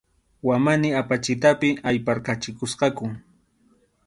Wamani apachitapi ayparqachikusqaku.